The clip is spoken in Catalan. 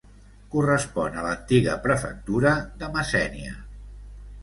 Correspon a l'antiga prefectura de Messènia.